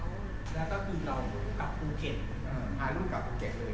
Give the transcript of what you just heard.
แล้วก็คือเรากลับภูเก็ตพาลูกกลับภูเก็ตเลย